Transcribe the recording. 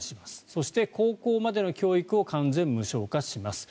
そして、高校までの教育を完全無償化します。